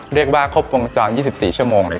เรียกว่าครบวงจร๒๔ชั่วโมงเลย